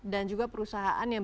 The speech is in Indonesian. dan juga perusahaan yang